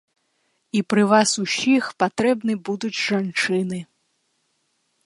І пры вас усіх патрэбны будуць жанчыны.